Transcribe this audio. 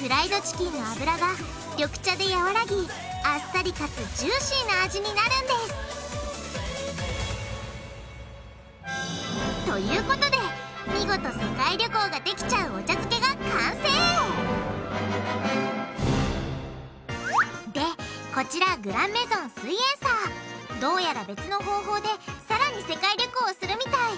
フライドチキンの脂が緑茶で和らぎあっさりかつジューシーな味になるんです！ということで見事世界旅行ができちゃうお茶漬けが完成！でこちらグランメゾンすイエんサーどうやら別の方法でさらに世界旅行をするみたい。